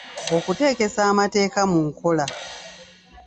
Okuteekesa amateeka mu nkola.